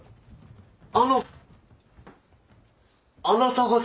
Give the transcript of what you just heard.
あのあなた方は？